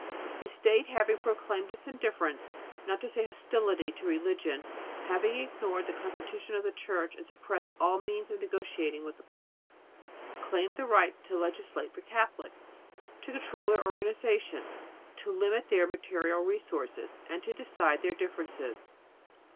The state having proclaimed its indifference, not to say hostility, to religion, having ignored the constitution of the Church and suppressed all means of negotiating with the pope, claimed the right to legislate for Catholics, to control their organization, to limit their material resources, and to decide their differences.